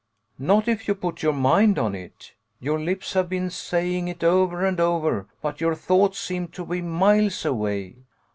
" Not if you put your mind on it. Your lips have been saying it over and over, but your thoughts seem to be miles away."